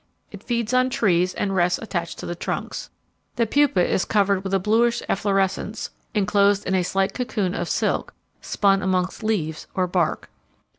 It feeds on trees and rests attached to the trunks. The pupa is covered with a bluish efflorescence, enclosed in a slight cocoon of silk, spun amongst leaves or bark."